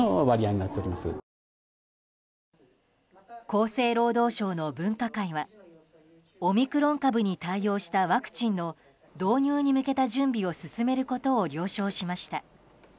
厚生労働省の分科会はオミクロン株に対応したワクチンの導入に向けた準備を進めることを了承しました。